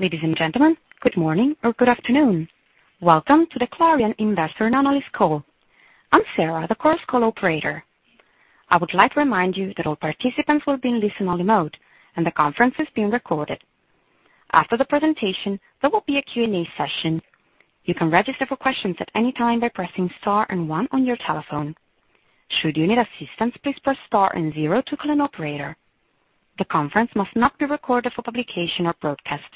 Ladies and gentlemen, good morning or good afternoon. Welcome to the Clariant Investor Analyst Call. I'm Sarah, the conference call operator. I would like to remind you that all participants will be in listen-only mode, and the conference is being recorded. After the presentation, there will be a Q&A session. You can register for questions at any time by pressing star and one on your telephone. Should you need assistance, please press star and zero to call an operator. The conference must not be recorded for publication or broadcast.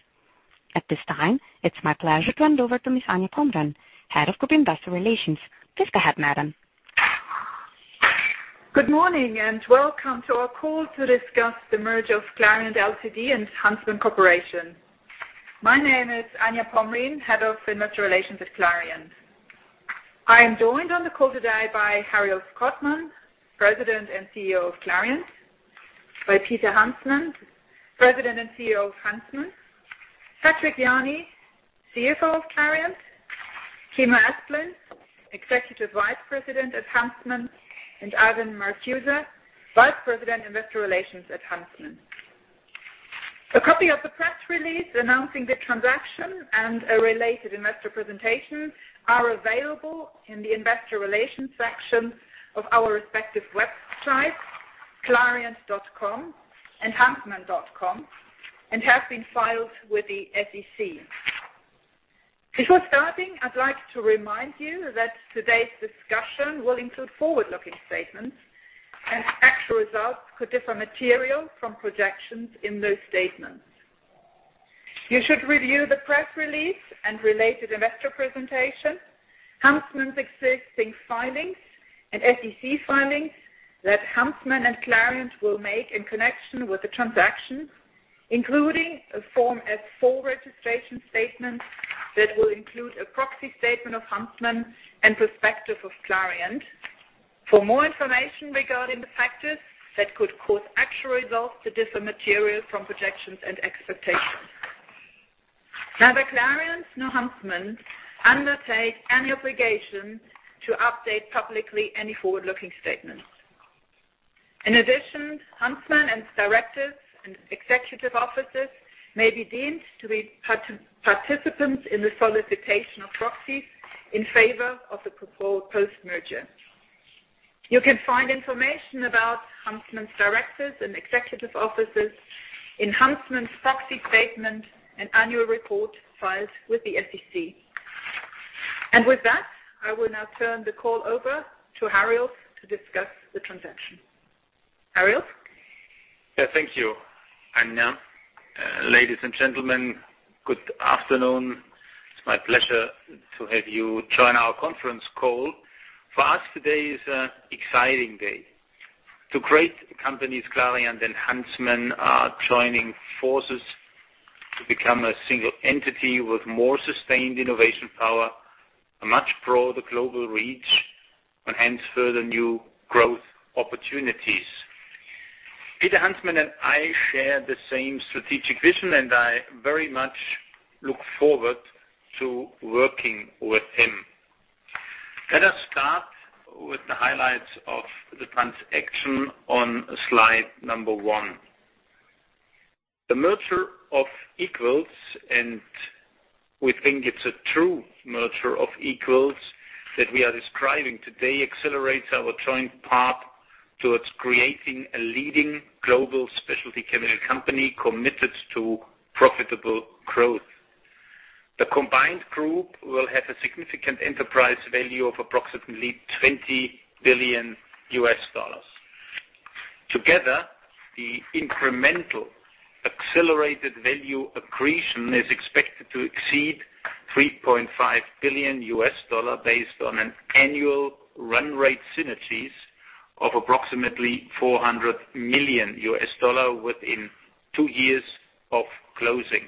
At this time, it's my pleasure to hand over to Miss Anja Palmgren, Head of Group Investor Relations. Please go ahead, madam. Good morning and welcome to our call to discuss the merger of Clariant Ltd. and Huntsman Corporation. My name is Anja Palmgren, Head of Investor Relations at Clariant. I am joined on the call today by Hariolf Kottmann, President and CEO of Clariant, by Peter Huntsman, President and CEO of Huntsman, Patrick Jany, CFO of Clariant, Kim Asplund, Executive Vice President at Huntsman, and Ivan Marcuse, Vice President, Investor Relations at Huntsman. A copy of the press release announcing the transaction and a related investor presentation are available in the investor relations section of our respective websites, clariant.com and huntsman.com, and have been filed with the SEC. Before starting, I'd like to remind you that today's discussion will include forward-looking statements, and actual results could differ material from projections in those statements. You should review the press release and related investor presentation, Huntsman's existing filings and SEC filings that Huntsman and Clariant will make in connection with the transaction, including a Form S-4 registration statement that will include a proxy statement of Huntsman and prospectus of Clariant for more information regarding the factors that could cause actual results to differ material from projections and expectations. Neither Clariant nor Huntsman undertake any obligation to update publicly any forward-looking statements. In addition, Huntsman and its directors and executive officers may be deemed to be participants in the solicitation of proxies in favor of the proposed post-merger. You can find information about Huntsman's directors and executive officers in Huntsman's proxy statement and annual report filed with the SEC. With that, I will now turn the call over to Hariolf to discuss the transaction. Hariolf? Thank you, Anja. Ladies and gentlemen, good afternoon. It's my pleasure to have you join our conference call. For us, today is an exciting day. Two great companies, Clariant and Huntsman, are joining forces to become a single entity with more sustained innovation power, a much broader global reach, and hence, further new growth opportunities. Peter Huntsman and I share the same strategic vision, and I very much look forward to working with him. Let us start with the highlights of the transaction on slide number one. The merger of equals, and we think it's a true merger of equals that we are describing today, accelerates our joint path towards creating a leading global specialty chemical company committed to profitable growth. The combined group will have a significant enterprise value of approximately $20 billion. Together, the incremental accelerated value accretion is expected to exceed $3.5 billion, based on an annual run rate synergies of approximately $400 million within two years of closing.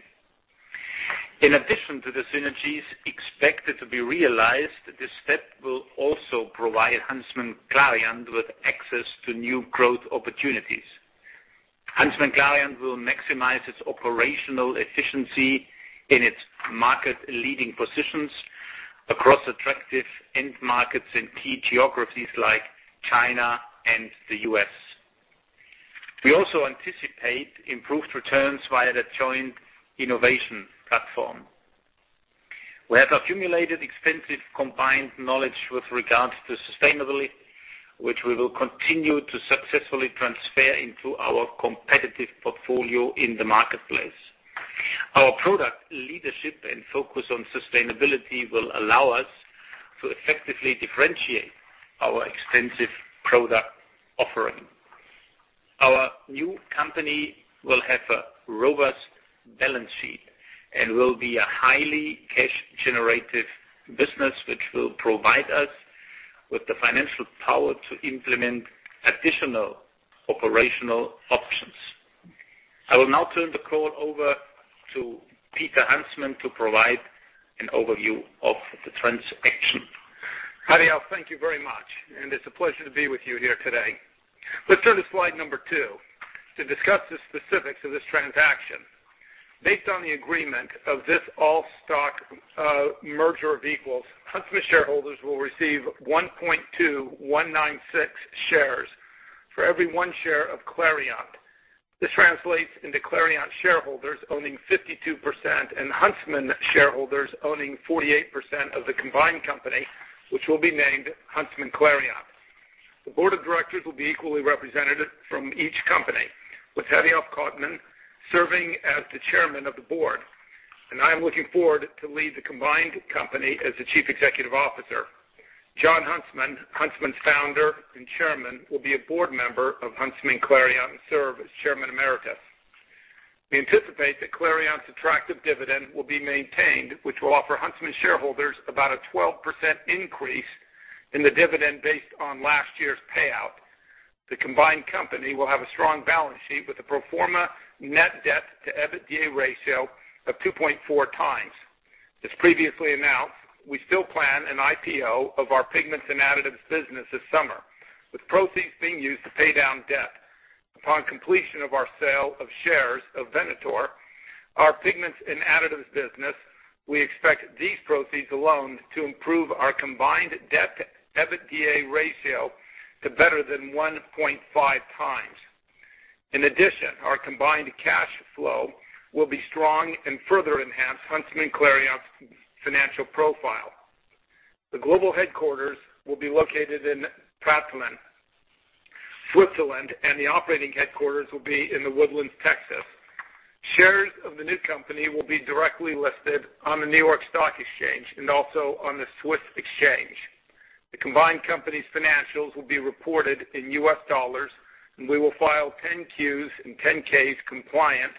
In addition to the synergies expected to be realized, this step will also provide HuntsmanClariant with access to new growth opportunities. HuntsmanClariant will maximize its operational efficiency in its market-leading positions across attractive end markets in key geographies like China and the U.S. We also anticipate improved returns via the joint innovation platform. We have accumulated extensive combined knowledge with regards to sustainability, which we will continue to successfully transfer into our competitive portfolio in the marketplace. Our product leadership and focus on sustainability will allow us to effectively differentiate our extensive product offering. Our new company will have a robust balance sheet and will be a highly cash-generative business, which will provide us with the financial power to implement additional operational options. I will now turn the call over to Peter Huntsman to provide an overview of the transaction. Hariolf, thank you very much, and it's a pleasure to be with you here today. Let's turn to slide number two to discuss the specifics of this transaction. Based on the agreement of this all-stock merger of equals, Huntsman shareholders will receive 1.2196 shares for every one share of Clariant. This translates into Clariant shareholders owning 52% and Huntsman shareholders owning 48% of the combined company, which will be named HuntsmanClariant. The board of directors will be equally representative from each company, with Hariolf Kottmann serving as the Chairman of the Board, and I'm looking forward to lead the combined company as the Chief Executive Officer. Jon Huntsman's founder and Chairman, will be a board member of HuntsmanClariant, and serve as Chairman Emeritus. We anticipate that Clariant's attractive dividend will be maintained, which will offer Huntsman shareholders about a 12% increase in the dividend based on last year's payout. The combined company will have a strong balance sheet with a pro forma net debt to EBITDA ratio of 2.4 times. As previously announced, we still plan an IPO of our Pigments and Additives business this summer, with proceeds being used to pay down debt. Upon completion of our sale of shares of Venator, our Pigments and Additives business, we expect these proceeds alone to improve our combined debt to EBITDA ratio to better than 1.5 times. In addition, our combined cash flow will be strong and further enhance HuntsmanClariant's financial profile. The global headquarters will be located in Pratteln, Switzerland, and the operating headquarters will be in The Woodlands, Texas. Shares of the new company will be directly listed on the New York Stock Exchange and also on the Swiss Exchange. The combined company's financials will be reported in US dollars. We will file 10-Qs and 10-Ks compliant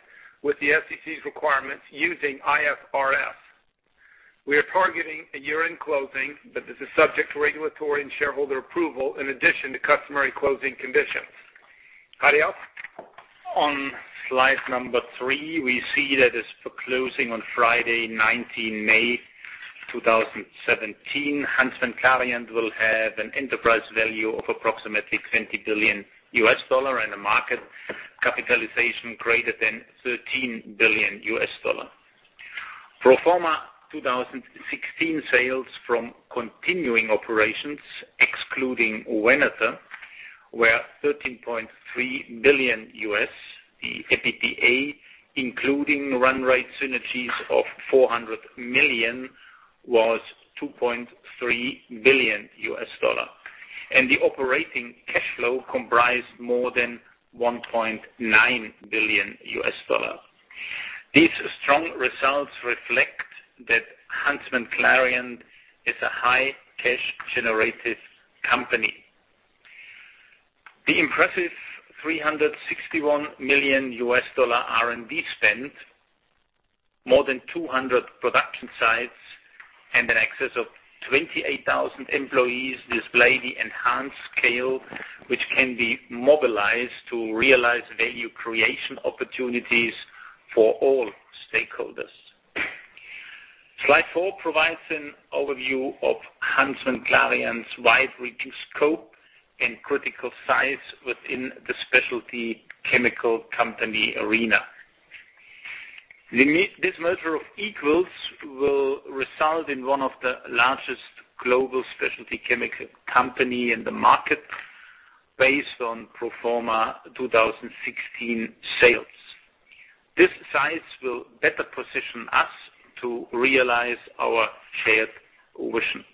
with the SEC's requirements using IFRS. We are targeting a year-end closing, but this is subject to regulatory and shareholder approval in addition to customary closing conditions. Hariolf. On slide three, we see that as per closing on Friday 19 May 2017, HuntsmanClariant will have an enterprise value of approximately $20 billion, and a market capitalization greater than $13 billion. Pro forma 2016 sales from continuing operations, excluding Venator, were $13.3 billion. The EBITDA, including run rate synergies of $400 million, was $2.3 billion. The operating cash flow comprised more than $1.9 billion. These strong results reflect that HuntsmanClariant is a high cash generative company. The impressive $361 million R&D spend, more than 200 production sites, and in excess of 28,000 employees display the enhanced scale, which can be mobilized to realize value creation opportunities for all stakeholders. Slide four provides an overview of HuntsmanClariant's wide-reduced scope and critical size within the specialty chemical company arena. This merger of equals will result in one of the largest global specialty chemical company in the market based on pro forma 2016 sales. This size will better position us to realize our shared vision.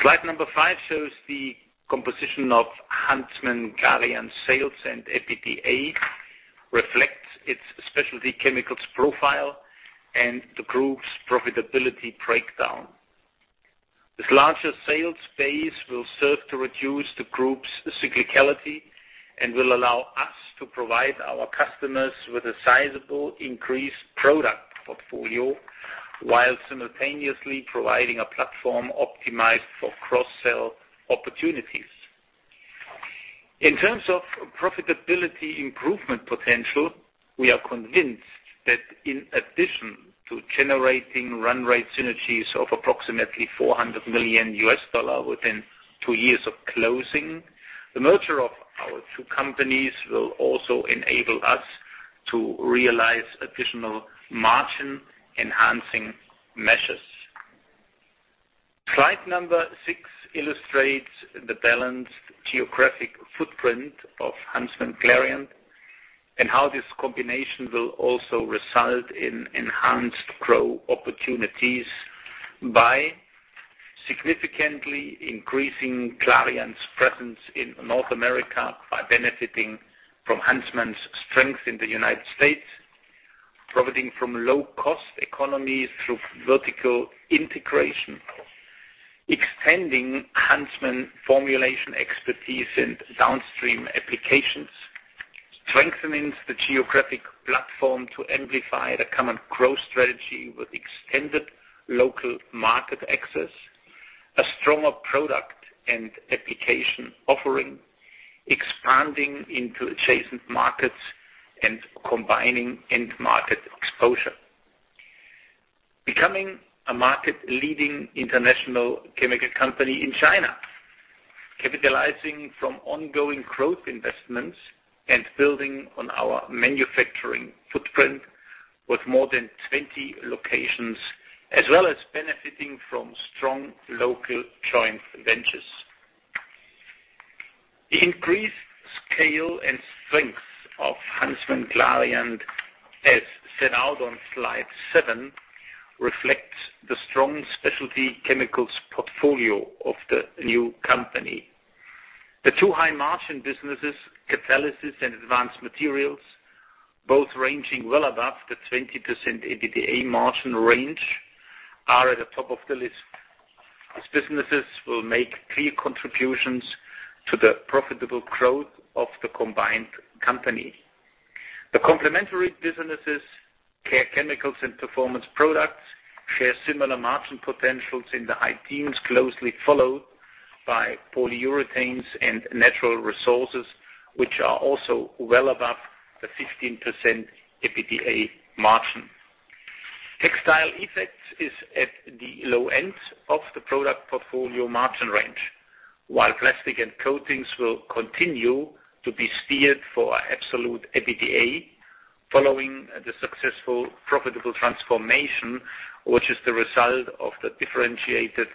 Slide five shows the composition of HuntsmanClariant sales and EBITDA, reflects its specialty chemicals profile, and the group's profitability breakdown. This larger sales base will serve to reduce the group's cyclicality and will allow us to provide our customers with a sizable increased product portfolio while simultaneously providing a platform optimized for cross-sell opportunities. In terms of profitability improvement potential, we are convinced that in addition to generating run rate synergies of approximately $400 million within two years of closing, the merger of our two companies will also enable us to realize additional margin enhancing measures. Slide six illustrates the balanced geographic footprint of HuntsmanClariant. How this combination will also result in enhanced growth opportunities by significantly increasing Clariant's presence in North America by benefiting from Huntsman's strength in the United States, profiting from low-cost economies through vertical integration, extending Huntsman formulation expertise and downstream applications, strengthening the geographic platform to amplify the common growth strategy with extended local market access, a stronger product and application offering, expanding into adjacent markets, and combining end market exposure. Becoming a market leading international chemical company in China, capitalizing from ongoing growth investments and building on our manufacturing footprint with more than 20 locations, as well as benefiting from strong local joint ventures. The increased scale and strength of HuntsmanClariant, as set out on slide seven, reflects the strong specialty chemicals portfolio of the new company. The two high margin businesses, catalysis and Advanced Materials, both ranging well above the 20% EBITDA margin range, are at the top of the list. These businesses will make key contributions to the profitable growth of the combined company. The complementary businesses, Care Chemicals and Performance Products, share similar margin potentials in the high teens, closely followed by Polyurethanes and natural resources, which are also well above the 15% EBITDA margin. Textile Effects is at the low end of the product portfolio margin range. While plastics and coatings will continue to be steered for absolute EBITDA, following the successful profitable transformation, which is the result of the differentiated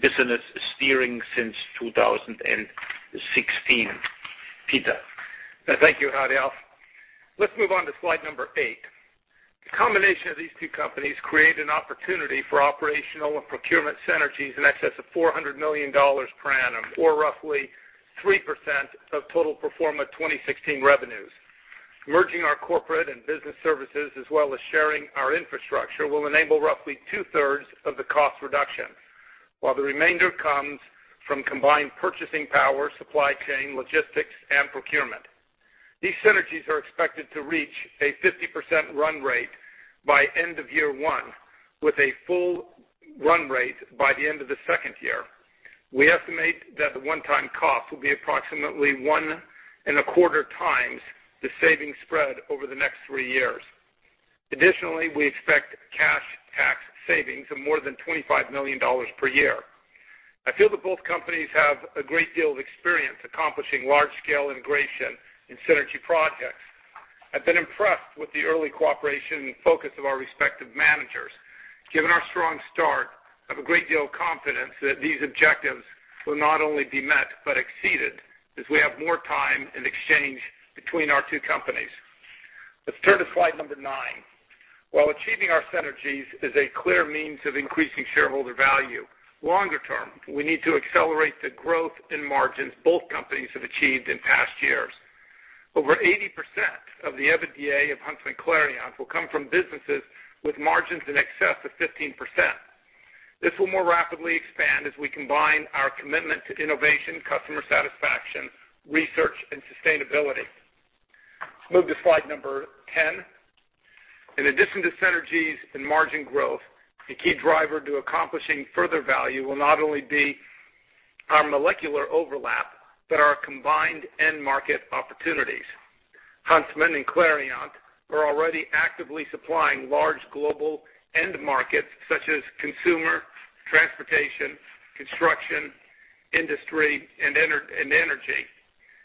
business steering since 2016. Peter. Thank you, Hariolf. Let's move on to slide number eight. The combination of these two companies create an opportunity for operational and procurement synergies in excess of $400 million per annum, or roughly 3% of total pro forma 2016 revenues. Merging our corporate and business services, as well as sharing our infrastructure, will enable roughly two-thirds of the cost reduction. The remainder comes from combined purchasing power, supply chain, logistics, and procurement. These synergies are expected to reach a 50% run rate by end of year one, with a full run rate by the end of the second year. We estimate that the one-time cost will be approximately one and a quarter times the savings spread over the next three years. Additionally, we expect cash tax savings of more than $25 million per year. I feel that both companies have a great deal of experience accomplishing large scale integration and synergy projects. I've been impressed with the early cooperation and focus of our respective managers. Given our strong start, I have a great deal of confidence that these objectives will not only be met but exceeded, as we have more time in exchange between our two companies. Let's turn to slide number nine. While achieving our synergies is a clear means of increasing shareholder value, longer term, we need to accelerate the growth in margins both companies have achieved in past years. Over 80% of the EBITDA of HuntsmanClariant will come from businesses with margins in excess of 15%. This will more rapidly expand as we combine our commitment to innovation, customer satisfaction, research, and sustainability. Let's move to slide number 10. In addition to synergies and margin growth, a key driver to accomplishing further value will not only be our molecular overlap, but our combined end market opportunities. Huntsman and Clariant are already actively supplying large global end markets such as consumer, transportation, construction, industry, and energy.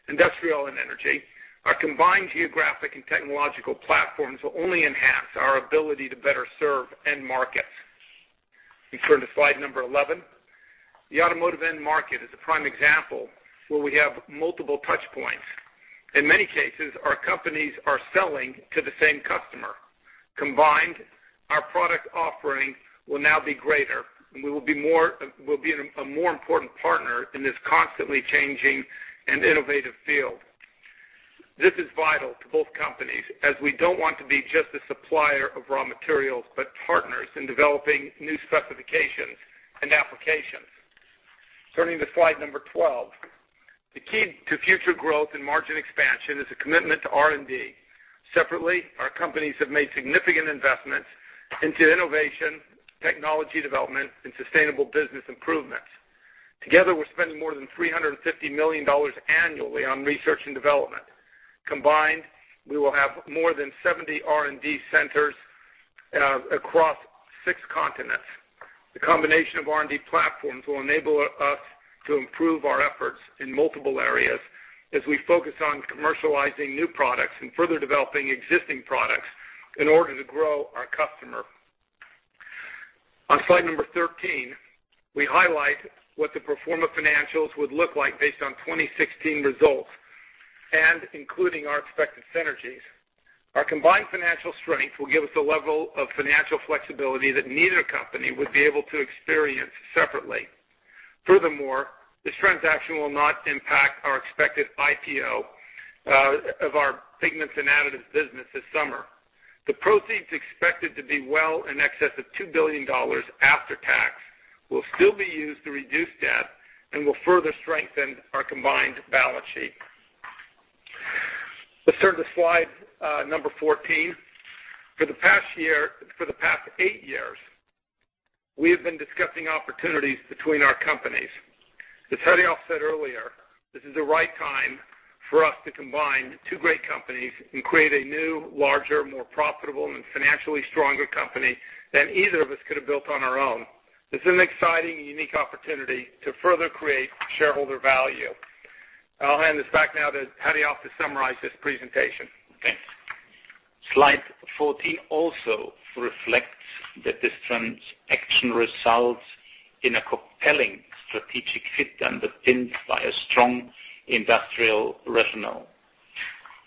Industrial and energy. Our combined geographic and technological platforms will only enhance our ability to better serve end markets. Please turn to slide number 11. The automotive end market is a prime example where we have multiple touch points. In many cases, our companies are selling to the same customer. Combined, our product offering will now be greater, and we'll be a more important partner in this constantly changing and innovative field. This is vital to both companies, as we don't want to be just a supplier of raw materials, but partners in developing new specifications and applications. Turning to slide number 12. The key to future growth and margin expansion is a commitment to R&D. Separately, our companies have made significant investments into innovation, technology development, and sustainable business improvements. Together, we're spending more than $350 million annually on research and development. Combined, we will have more than 70 R&D centers across six continents. The combination of R&D platforms will enable us to improve our efforts in multiple areas as we focus on commercializing new products and further developing existing products in order to grow our customer. On slide number 13, we highlight what the pro forma financials would look like based on 2016 results, and including our expected synergies. Our combined financial strength will give us a level of financial flexibility that neither company would be able to experience separately. Furthermore, this transaction will not impact our expected IPO of our Pigments and Additives business this summer. The proceeds expected to be well in excess of $2 billion after tax will still be used to reduce debt and will further strengthen our combined balance sheet. Let's turn to slide number 14. For the past eight years, we have been discussing opportunities between our companies. As Hariolf said earlier, this is the right time for us to combine two great companies and create a new, larger, more profitable, and financially stronger company than either of us could have built on our own. This is an exciting and unique opportunity to further create shareholder value. I'll hand this back now to Hariolf to summarize this presentation. Thanks. Slide 14 also reflects that this transaction results in a compelling strategic fit underpinned by a strong industrial rationale.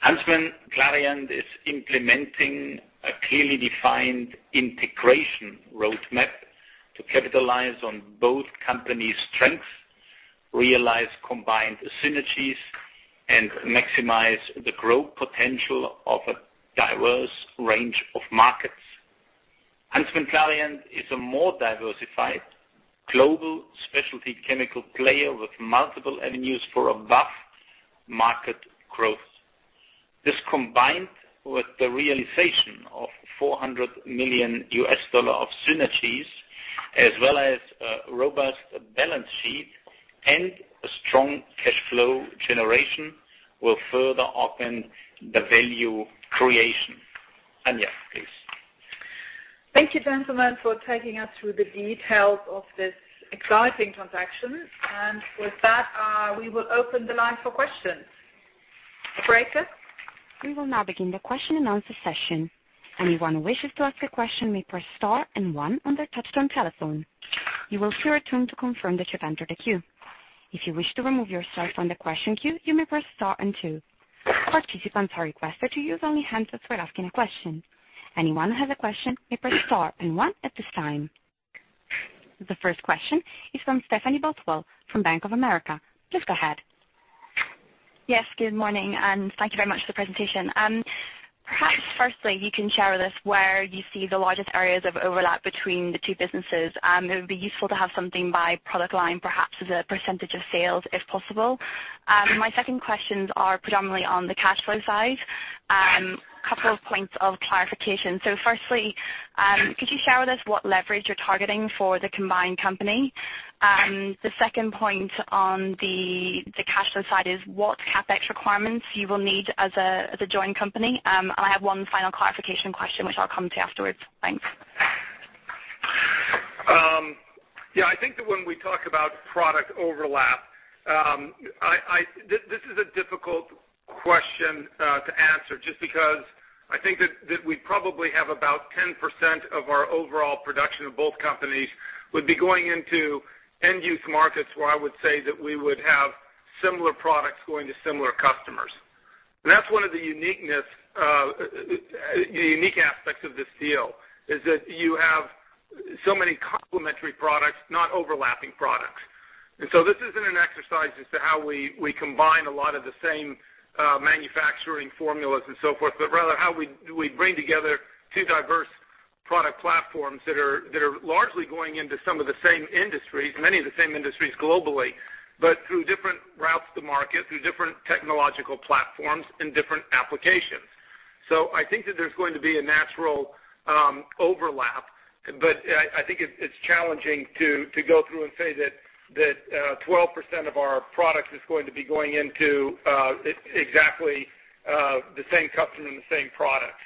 HuntsmanClariant is implementing a clearly defined integration roadmap to capitalize on both companies' strengths, realize combined synergies, and maximize the growth potential of a diverse range of markets. HuntsmanClariant is a more diversified global specialty chemical player with multiple avenues for above-market growth. This, combined with the realization of $400 million of synergies as well as a robust balance sheet and a strong cash flow generation, will further open the value creation. Anja, please. Thank you, gentlemen, for taking us through the details of this exciting transaction. With that, we will open the line for questions. Operator? We will now begin the question and answer session. Anyone who wishes to ask a question may press star and one on their touchtone telephone. You will hear a tone to confirm that you've entered a queue. If you wish to remove yourself from the question queue, you may press star and two. All participants are requested to use only handsets when asking a question. Anyone who has a question may press star and one at this time. The first question is from Stephanie Bothwell from Bank of America. Please go ahead. Yes, good morning, and thank you very much for the presentation. Firstly, you can share with us where you see the largest areas of overlap between the two businesses. It would be useful to have something by product line, perhaps as a percentage of sales, if possible. My second questions are predominantly on the cash flow side. Couple of points of clarification. Firstly, could you share with us what leverage you're targeting for the combined company? Second point on the cash flow side is what CapEx requirements you will need as a joint company. I have one final clarification question, which I'll come to afterwards. Thanks. I think that when we talk about product overlap, this is a difficult question to answer, just because I think that we probably have about 10% of our overall production of both companies would be going into end-use markets where I would say that we would have similar products going to similar customers. And that's one of the unique aspects of this deal, is that you have so many complementary products, not overlapping products. And so this isn't an exercise as to how we combine a lot of the same manufacturing formulas and so forth, but rather how we bring together two diverse product platforms that are largely going into some of the same industries, many of the same industries globally, but through different routes to market, through different technological platforms and different applications. I think that there's going to be a natural overlap, but I think it's challenging to go through and say that 12% of our product is going to be going into exactly the same customer and the same product.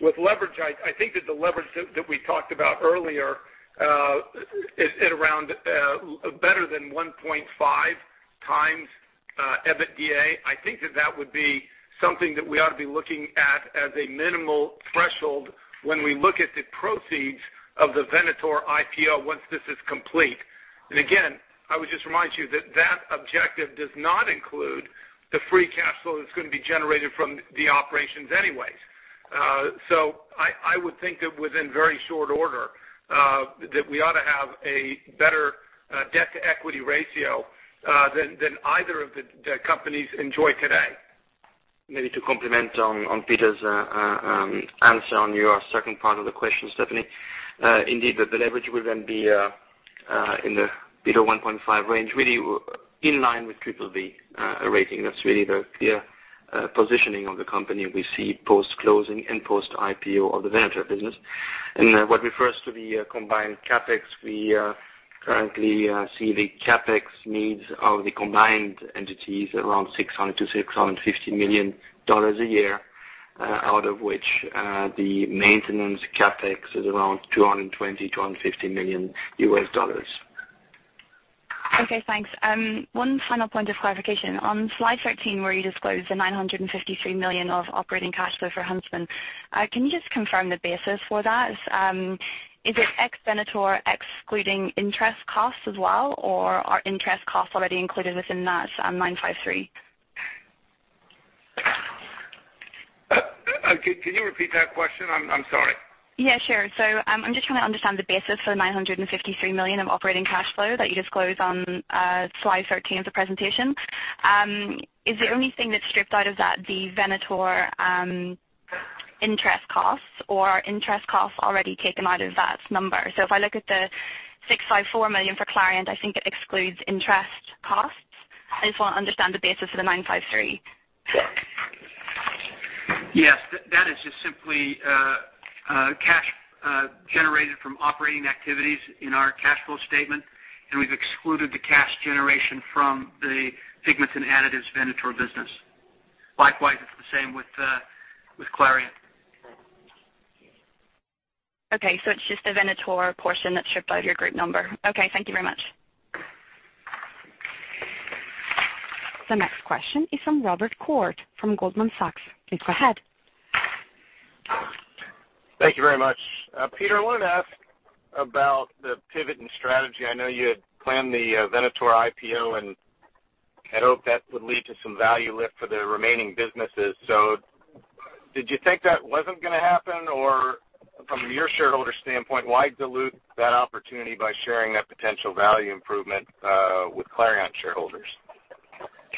With leverage, I think that the leverage that we talked about earlier at around better than 1.5 times EBITDA, I think that that would be something that we ought to be looking at as a minimal threshold when we look at the proceeds of the Venator IPO once this is complete. Again, I would just remind you that that objective does not include the free cash flow that's going to be generated from the operations anyway. I would think that within very short order that we ought to have a better debt-to-equity ratio than either of the companies enjoy today. Maybe to complement on Peter's answer on your second part of the question, Stephanie. Indeed, the leverage will then be in the below 1.5 range, really in line with BBB rating. That's really the clear positioning of the company we see post-closing and post-IPO of the Venator business. What refers to the combined CapEx, we currently see the CapEx needs of the combined entities around $600 million-$650 million a year, out of which the maintenance CapEx is around $220 million-$250 million. Okay, thanks. One final point of clarification. On slide 13, where you disclose the $953 million of operating cash flow for Huntsman, can you just confirm the basis for that? Is it ex Venator, excluding interest costs as well, or are interest costs already included within that $953? Can you repeat that question? I'm sorry. Yeah, sure. I'm just trying to understand the basis for the $953 million of operating cash flow that you disclose on slide 13 of the presentation. Is the only thing that's stripped out of that the Venator interest costs or are interest costs already taken out of that number? If I look at the $654 million for Clariant, I think it excludes interest costs. I just want to understand the basis for the $953. Yes. That is just simply cash generated from operating activities in our cash flow statement, and we've excluded the cash generation from the Pigments and Additives Venator business. Likewise, it's the same with Clariant. Okay, it's just the Venator portion that's stripped out of your group number. Okay, thank you very much. The next question is from Robert Koort from Goldman Sachs. Please go ahead. Thank you very much. Peter, I wanted to ask about the pivot and strategy. I know you had planned the Venator IPO and had hoped that would lead to some value lift for the remaining businesses. Did you think that wasn't going to happen? From your shareholder standpoint, why dilute that opportunity by sharing that potential value improvement with Clariant shareholders?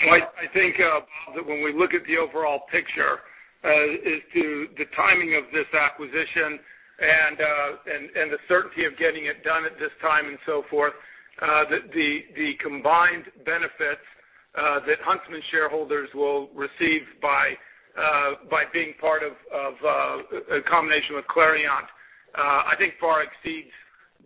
I think, Bob, that when we look at the overall picture as to the timing of this acquisition and the certainty of getting it done at this time and so forth, the combined benefits that Huntsman shareholders will receive by being part of a combination with Clariant, I think far exceeds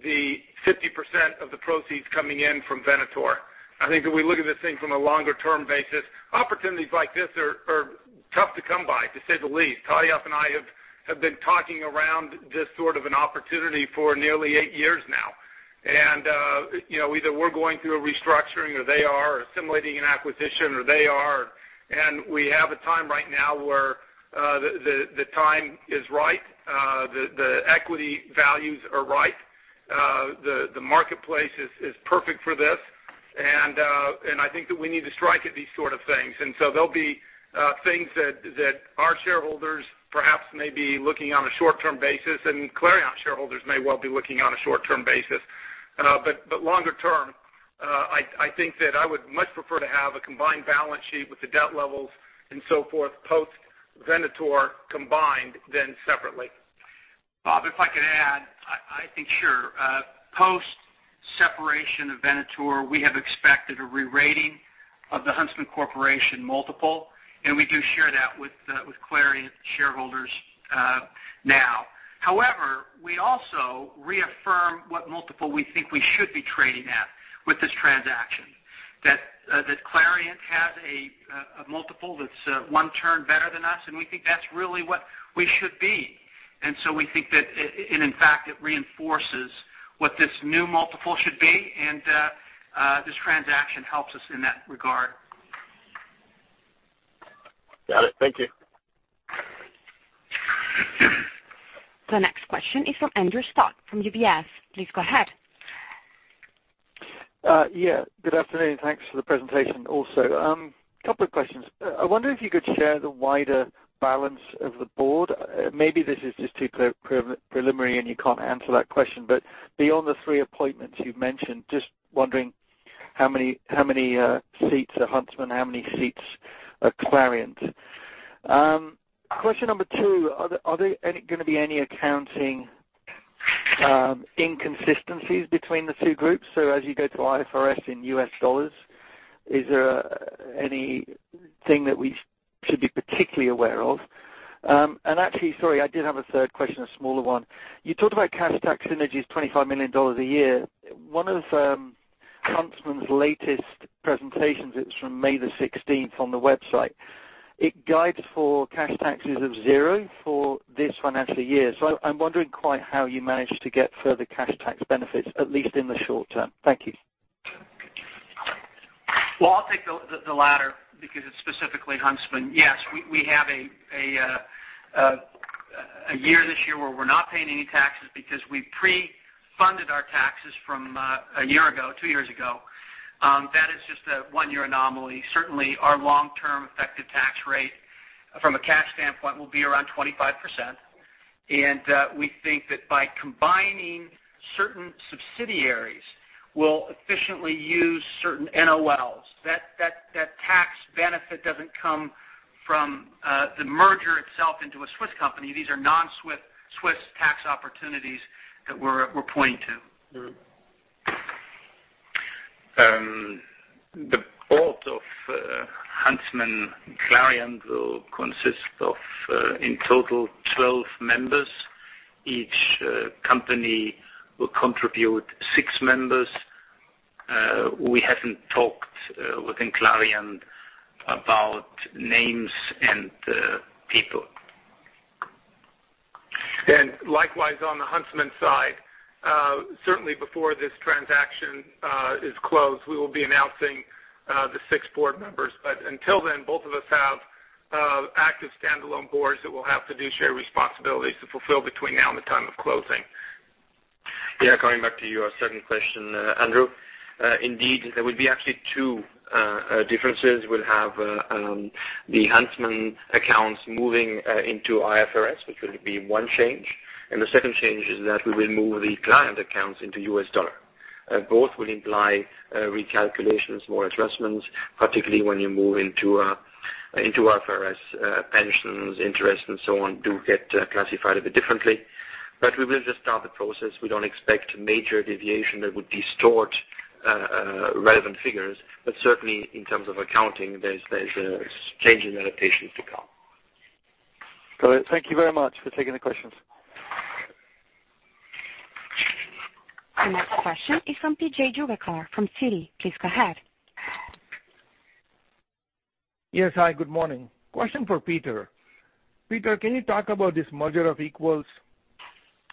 the 50% of the proceeds coming in from Venator. I think if we look at this thing from a longer-term basis, opportunities like this are tough to come by, to say the least. Tadayoshi and I have been talking around this sort of an opportunity for nearly eight years now. Either we're going through a restructuring or they are assimilating an acquisition, or they are. We have a time right now where the time is right, the equity values are right, the marketplace is perfect for this. I think that we need to strike at these sort of things. There'll be things that our shareholders perhaps may be looking on a short-term basis, and Clariant shareholders may well be looking on a short-term basis. Longer term, I think that I would much prefer to have a combined balance sheet with the debt levels and so forth, post Venator combined than separately. Bob, if I could add. Sure. Post-separation of Venator, we have expected a re-rating of the Huntsman Corporation multiple, and we do share that with Clariant shareholders now. However, we also reaffirm what multiple we think we should be trading at with this transaction, that Clariant has a multiple that's one turn better than us, and we think that's really what we should be. We think that, and in fact, it reinforces what this new multiple should be and this transaction helps us in that regard. Got it. Thank you. The next question is from Andrew Scott from UBS. Please go ahead. Good afternoon. Thanks for the presentation also. Couple of questions. I wonder if you could share the wider balance of the board. Maybe this is just too preliminary and you can't answer that question, but beyond the three appointments you've mentioned, just wondering how many seats are Huntsman, how many seats are Clariant? Question number two, are there going to be any accounting inconsistencies between the two groups? As you go to IFRS in US dollars, is there anything that we should be particularly aware of? Actually, sorry, I did have a third question, a smaller one. You talked about cash tax synergies $25 million a year. One of Huntsman's latest presentations, it's from May 16th on the website. It guides for cash taxes of zero for this financial year. I'm wondering quite how you managed to get further cash tax benefits, at least in the short term. Thank you. I'll take the latter because it's specifically Huntsman. Yes. We have a year this year where we're not paying any taxes because we pre-funded our taxes from a year ago, two years ago. That is just a one-year anomaly. Certainly, our long-term effective tax rate from a cash standpoint will be around 25%. We think that by combining certain subsidiaries, we'll efficiently use certain NOLs. That tax benefit doesn't come from the merger itself into a Swiss company. These are non-Swiss tax opportunities that we're pointing to. The board of Huntsman and Clariant will consist of, in total, 12 members. Each company will contribute six members. We haven't talked within Clariant about names and people. Likewise, on the Huntsman side, certainly before this transaction is closed, we will be announcing the six board members. Until then, both of us have active standalone boards that will have fiduciary responsibilities to fulfill between now and the time of closing. Coming back to your second question, Andrew. Indeed, there will be actually two differences. We'll have the Huntsman accounts moving into IFRS, which will be one change. The second change is that we will move the Clariant accounts into U.S. dollar. Both will imply recalculations, more adjustments, particularly when you move into IFRS. Pensions, interest, and so on do get classified a bit differently. We will just start the process. We don't expect major deviation that would distort relevant figures. Certainly, in terms of accounting, there's a change in adaptations to come. Got it. Thank you very much for taking the questions. The next question is from P.J. Juvekar from Citi. Please go ahead. Yes. Hi, good morning. Question for Peter. Peter, can you talk about this merger of equals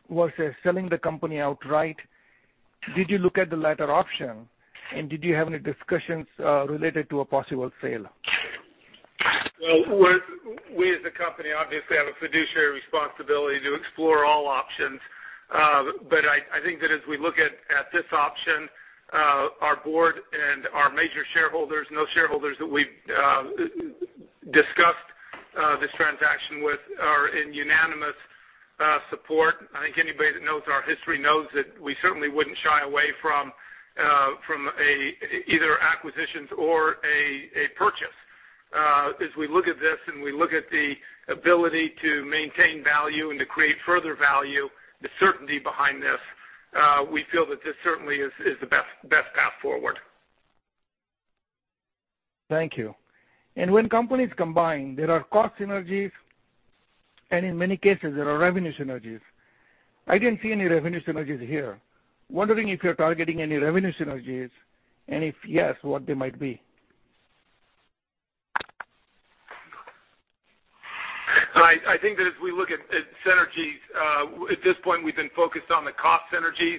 versus selling the company outright? Did you look at the latter option, and did you have any discussions related to a possible sale? Well, we as a company, obviously have a fiduciary responsibility to explore all options. I think that as we look at this option, our board and our major shareholders, no shareholders that we've discussed this transaction with are in unanimous support. I think anybody that knows our history knows that we certainly wouldn't shy away from either acquisitions or a purchase. As we look at this and we look at the ability to maintain value and to create further value, the certainty behind this, we feel that this certainly is the best path forward. Thank you. When companies combine, there are cost synergies, and in many cases, there are revenue synergies. I didn't see any revenue synergies here. Wondering if you're targeting any revenue synergies, and if yes, what they might be. I think that as we look at synergies, at this point, we've been focused on the cost synergies.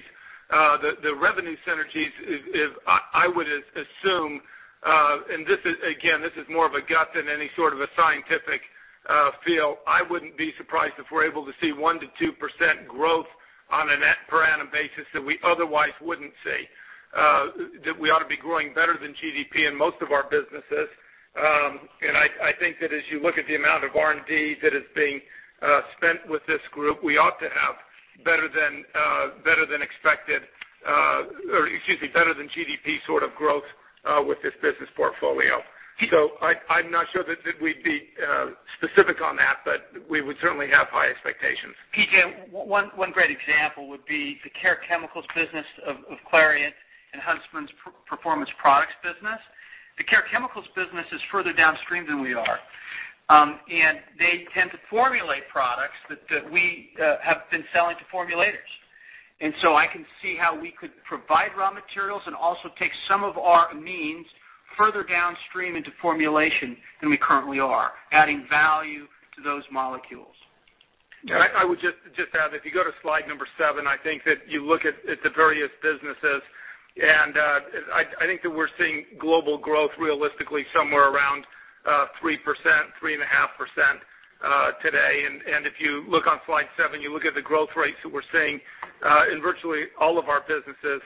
The revenue synergies is, I would assume, and again, this is more of a gut than any sort of a scientific feel. I wouldn't be surprised if we're able to see 1%-2% growth on a net per annum basis that we otherwise wouldn't see, that we ought to be growing better than GDP in most of our businesses. I think that as you look at the amount of R&D that is being spent with this group, we ought to have better than expected, or excuse me, better than GDP sort of growth with this business portfolio. I'm not sure that we'd be specific on that, but we would certainly have high expectations. PJ, one great example would be the Care Chemicals business of Clariant and Huntsman's Performance Products business. The Care Chemicals business is further downstream than we are. They tend to formulate products that we have been selling to formulators. I can see how we could provide raw materials and also take some of our means further downstream into formulation than we currently are, adding value to those molecules. I would just add, if you go to slide seven, I think that you look at the various businesses, I think that we're seeing global growth realistically somewhere around 3%, 3.5% today. If you look on slide seven, you look at the growth rates that we're seeing in virtually all of our businesses,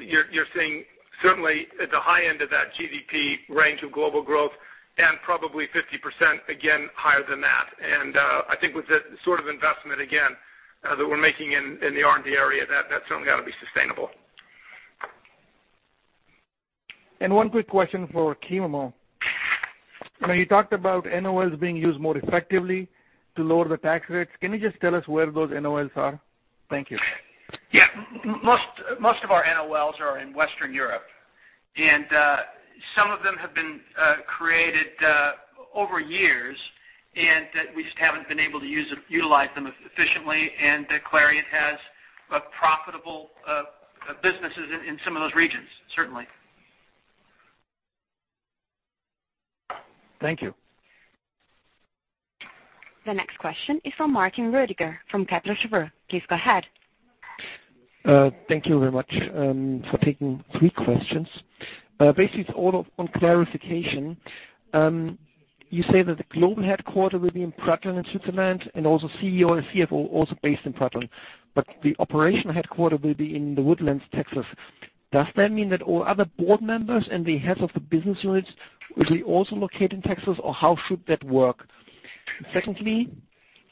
you're seeing certainly at the high end of that GDP range of global growth and probably 50% again, higher than that. I think with the sort of investment, again, that we're making in the R&D area, that's only got to be sustainable. One quick question for Kim. You talked about NOLs being used more effectively to lower the tax rates. Can you just tell us where those NOLs are? Thank you. Most of our NOLs are in Western Europe, some of them have been created over years, that we just haven't been able to utilize them efficiently, Clariant has profitable businesses in some of those regions, certainly. Thank you. The next question is from Martin Roediger from Kepler Cheuvreux. Please go ahead. Thank you very much for taking three questions. Basically, it is all on clarification. You say that the global headquarter will be in Pratteln in Switzerland and also CEO and CFO also based in Pratteln. The operational headquarter will be in The Woodlands, Texas. Does that mean that all other board members and the heads of the business units will be also located in Texas, or how should that work? Secondly,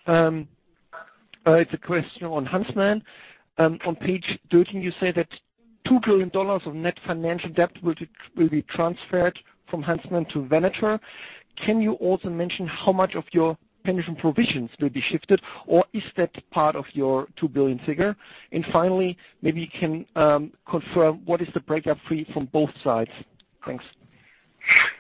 it is a question on Huntsman. On page 13, you say that $2 billion of net financial debt will be transferred from Huntsman to Venator. Can you also mention how much of your pension provisions will be shifted, or is that part of your $2 billion figure? Finally, maybe you can confirm what is the breakup fee from both sides. Thanks.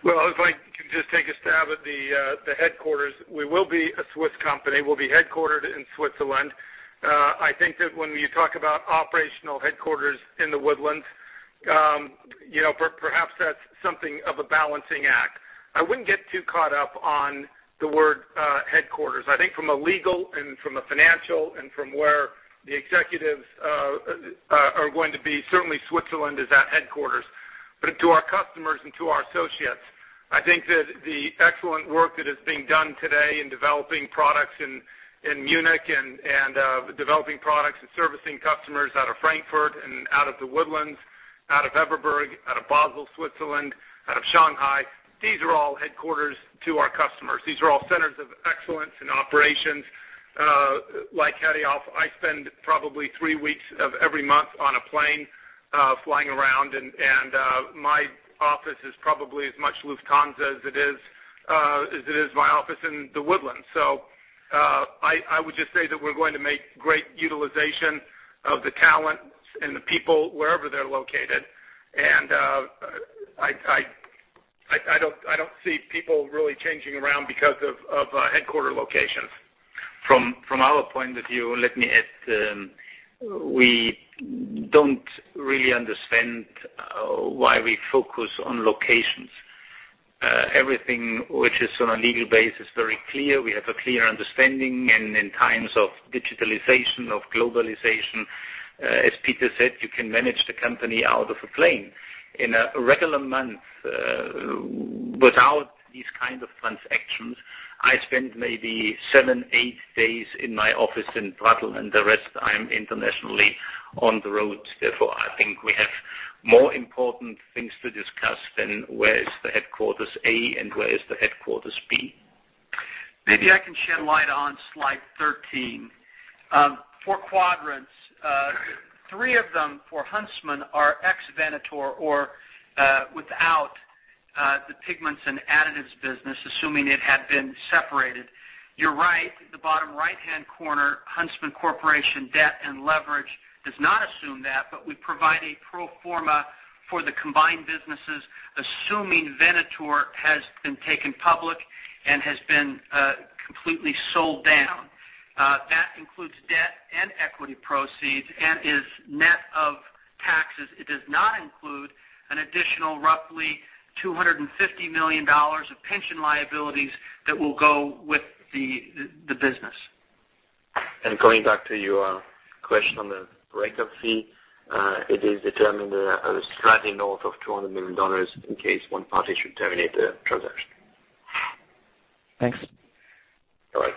Well, if I can just take a stab at the headquarters. We will be a Swiss company. We will be headquartered in Switzerland. I think that when you talk about operational headquarters in The Woodlands, perhaps that is something of a balancing act. I wouldn't get too caught up on the word headquarters. I think from a legal and from a financial and from where the executives are going to be, certainly Switzerland is that headquarters. To our customers and to our associates, I think that the excellent work that is being done today in developing products in Munich and developing products and servicing customers out of Frankfurt and out of The Woodlands, out of Everberg, out of Basel, Switzerland, out of Shanghai, these are all headquarters to our customers. These are all centers of excellence in operations. Like Hariolf, I spend probably three weeks of every month on a plane flying around, and my office is probably as much Lufthansa as it is my office in The Woodlands. I would just say that we are going to make great utilization of the talent and the people wherever they are located. I don't see people really changing around because of headquarter locations. From our point of view, let me add, we don't really understand why we focus on locations. Everything which is on a legal base is very clear. We have a clear understanding. In times of digitalization, of globalization, as Peter said, you can manage the company out of a plane. In a regular month, without these kind of transactions, I spend maybe seven, eight days in my office in Pratteln, and the rest I am internationally on the road. Therefore, I think we have more important things to discuss than where is the headquarters A and where is the headquarters B. Maybe I can shed light on slide 13. Four quadrants, three of them for Huntsman are ex Venator or without the Pigments and Additives business, assuming it had been separated. You're right, at the bottom right-hand corner, Huntsman Corporation debt and leverage does not assume that, but we provide a pro forma for the combined businesses, assuming Venator has been taken public and has been completely sold down. That includes debt and equity proceeds and is net of taxes. It does not include an additional roughly $250 million of pension liabilities that will go with the business. Going back to your question on the breakup fee, it is determined a sliding north of $200 million in case one party should terminate the transaction. Thanks. All right.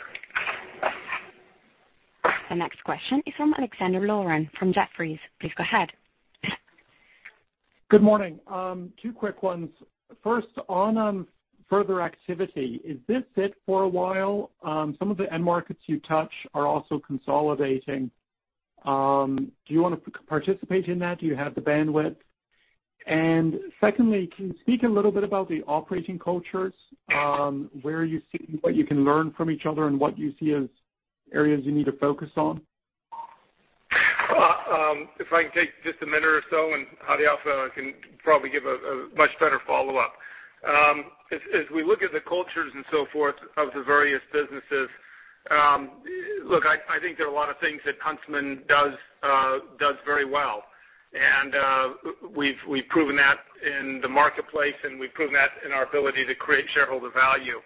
The next question is from Alexander Loren from Jefferies. Please go ahead. Good morning. Two quick ones. First, on further activity, is this it for a while? Some of the end markets you touch are also consolidating. Do you want to participate in that? Do you have the bandwidth? Secondly, can you speak a little bit about the operating cultures, where you see what you can learn from each other and what you see as areas you need to focus on? If I can take just a minute or so, Hariolf can probably give a much better follow-up. As we look at the cultures and so forth of the various businesses, look, I think there are a lot of things that Huntsman does very well. We've proven that in the marketplace, and we've proven that in our ability to create shareholder value.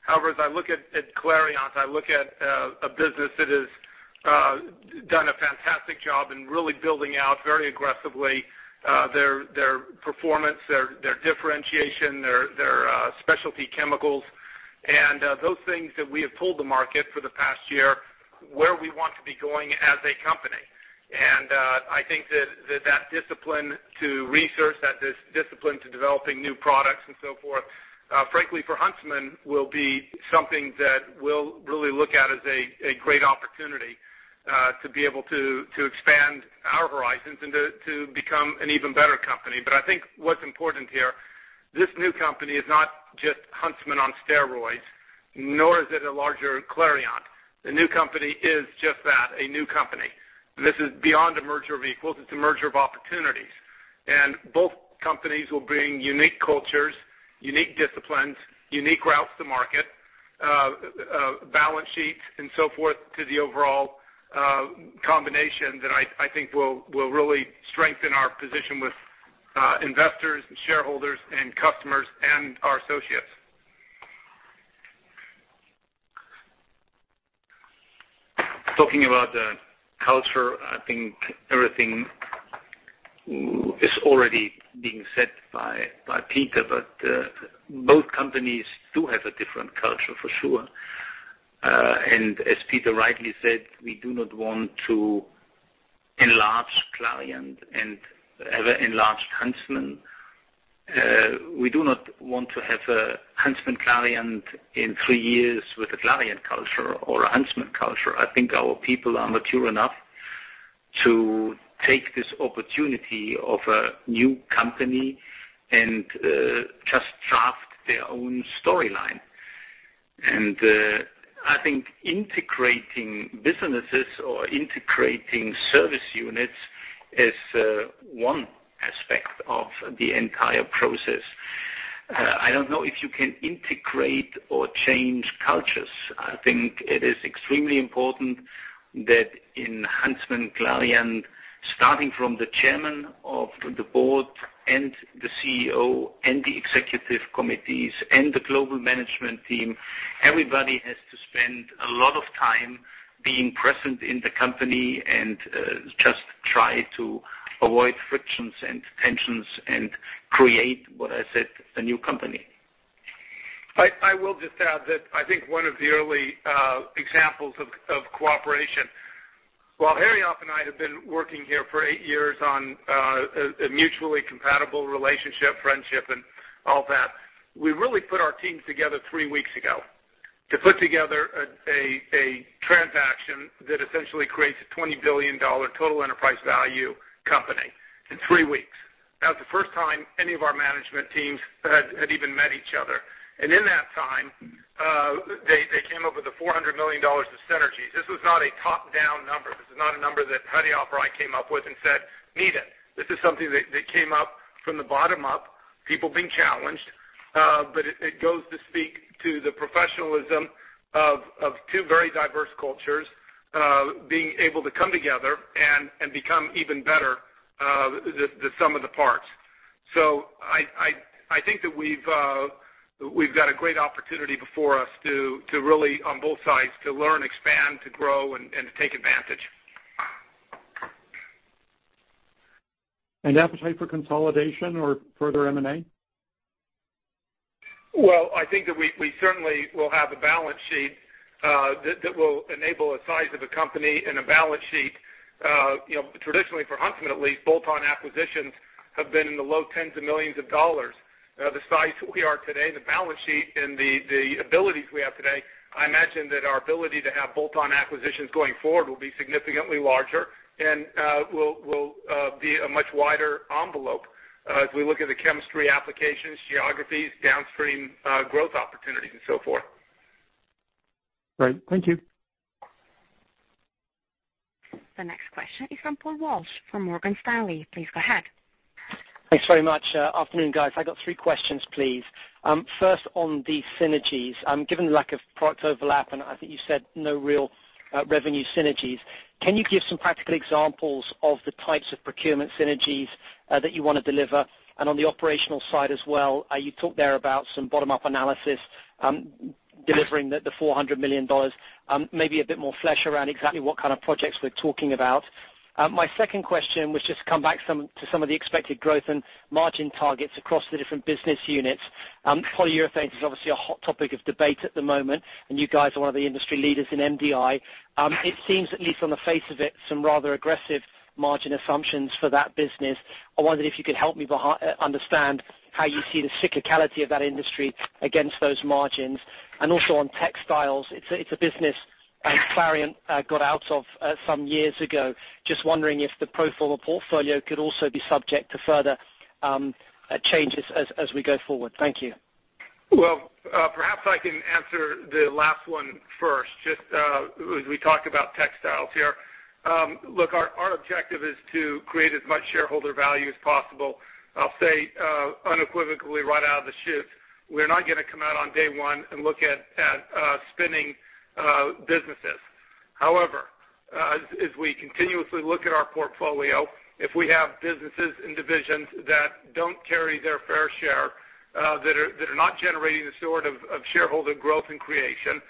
However, as I look at Clariant, I look at a business that has done a fantastic job in really building out very aggressively their Performance Products, their differentiation, their specialty chemicals, and those things that we have told the market for the past year, where we want to be going as a company. I think that that discipline to research, that discipline to developing new products and so forth, frankly, for Huntsman, will be something that we'll really look at as a great opportunity to be able to expand our horizons and to become an even better company. I think what's important here, this new company is not just Huntsman on steroids, nor is it a larger Clariant. The new company is just that, a new company. This is beyond a merger of equals. It's a merger of opportunities. Both companies will bring unique cultures, unique disciplines, unique routes to market, balance sheets and so forth to the overall combination that I think will really strengthen our position with investors and shareholders and customers and our associates. Talking about the culture, I think everything is already being said by Peter, but both companies do have a different culture for sure. As Peter rightly said, we do not want to enlarge Clariant and have enlarged Huntsman. We do not want to have a HuntsmanClariant in 3 years with a Clariant culture or a Huntsman culture. I think our people are mature enough to take this opportunity of a new company and just craft their own storyline. I think integrating businesses or integrating service units is one aspect of the entire process. I don't know if you can integrate or change cultures. I think it is extremely important that in HuntsmanClariant, starting from the Chairman of the Board and the CEO and the Executive Committees and the Global Management Team, everybody has to spend a lot of time being present in the company and just try to avoid frictions and tensions and create what I said, a new company. I will just add that I think one of the early examples of cooperation, while Hariolf and I have been working here for 8 years on a mutually compatible relationship, friendship, and all that, we really put our teams together 3 weeks ago to put together a transaction that essentially creates a $20 billion total enterprise value company in 3 weeks. That was the first time any of our management teams had even met each other. In that time, they came up with the $400 million of synergies. This was not a top-down number. This was not a number that Hariolf or I came up with and said, "Need it." This is something that came up from the bottom up, people being challenged, but it goes to speak to the professionalism of two very diverse cultures being able to come together and become even better the sum of the parts. I think that we've got a great opportunity before us to really, on both sides, to learn, expand, to grow, and to take advantage. Appetite for consolidation or further M&A? Well, I think that we certainly will have a balance sheet that will enable a size of a company and a balance sheet. Traditionally, for Huntsman at least, bolt-on acquisitions have been in the low tens of millions of dollars. The size we are today, the balance sheet, and the abilities we have today, I imagine that our ability to have bolt-on acquisitions going forward will be significantly larger and will be a much wider envelope as we look at the chemistry applications, geographies, downstream growth opportunities, and so forth. Great. Thank you. The next question is from Paul Walsh from Morgan Stanley. Please go ahead. Thanks very much. Afternoon, guys. I got three questions, please. First, on the synergies. Given the lack of product overlap, and I think you said no real revenue synergies, can you give some practical examples of the types of procurement synergies that you want to deliver? On the operational side as well, you talked there about some bottom-up analysis delivering the $400 million. Maybe a bit more flesh around exactly what kind of projects we're talking about. My second question was just come back to some of the expected growth and margin targets across the different business units. Polyurethanes is obviously a hot topic of debate at the moment, and you guys are one of the industry leaders in MDI. It seems, at least on the face of it, some rather aggressive margin assumptions for that business. I wonder if you could help me understand how you see the cyclicality of that industry against those margins. Also on textiles, it's a business Clariant got out of some years ago. Just wondering if the pro forma portfolio could also be subject to further changes as we go forward. Thank you. Well, perhaps I can answer the last one first, just as we talk about textiles here. Look, our objective is to create as much shareholder value as possible. I'll say unequivocally right out of the chute, we're not going to come out on day one and look at spinning businesses. However, as we continuously look at our portfolio, if we have businesses and divisions that don't carry their fair share, that are not generating the sort of shareholder growth and creation,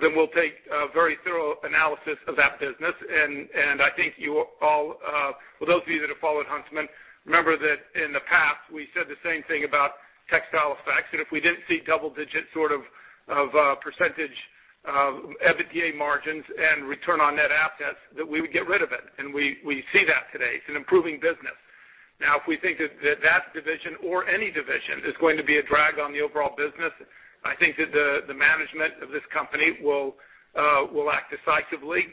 then we'll take a very thorough analysis of that business. I think for those of you that have followed Huntsman, remember that in the past, we said the same thing about Textile Effects, and if we didn't see double-digit sort of percentage EBITDA margins and return on net assets, that we would get rid of it. We see that today. It's an improving business. Now, if we think that that division or any division is going to be a drag on the overall business, I think that the management of this company will act decisively,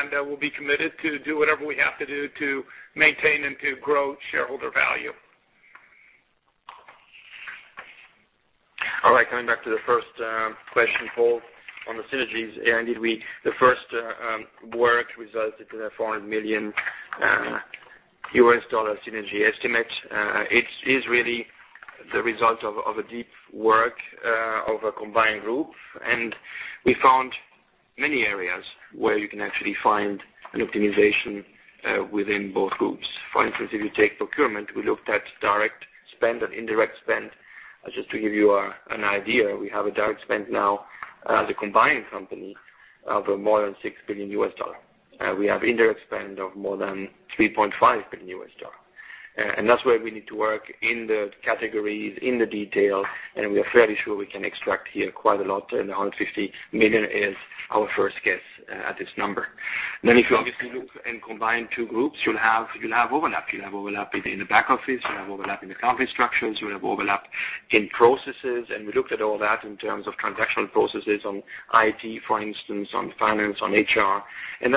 and we'll be committed to do whatever we have to do to maintain and to grow shareholder value. All right, coming back to the first question, Paul, on the synergies. Indeed, the first work resulted in a $400 million synergy estimate. It is really the result of a deep work of a combined group, and we found many areas where you can actually find an optimization within both groups. For instance, if you take procurement, we looked at direct spend and indirect spend. Just to give you an idea, we have a direct spend now as a combined company of more than $6 billion. We have indirect spend of more than $3.5 billion. That's where we need to work in the categories, in the detail, and we are fairly sure we can extract here quite a lot, and $150 million is our first guess at this number. If you obviously look and combine two groups, you'll have overlap. You'll have overlap in the back office, you'll have overlap in the company structures, you'll have overlap in processes, and we looked at all that in terms of transactional processes on IT, for instance, on finance, on HR.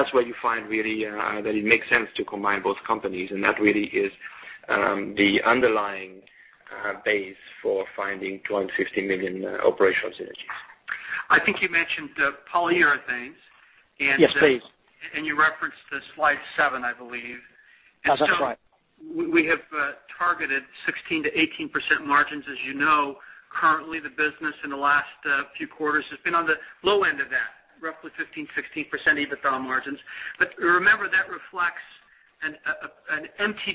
That's where you find really that it makes sense to combine both companies, and that really is the underlying base for finding $250 million operational synergies. I think you mentioned Polyurethanes and- Yes, please. You referenced slide seven, I believe. That's right. We have targeted 16%-18% margins. As you know, currently the business in the last few quarters has been on the low end of that, roughly 15%-16% EBITDA margins. Remember, that reflects an empty